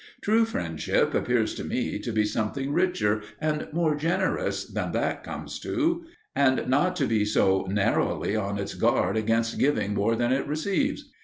True friendship appears to me to be something richer and more generous than that comes to; and not to be so narrowly on its guard against giving more than it receives.